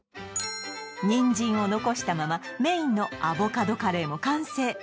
にんじんを残したままメインのアボカドカレーも完成！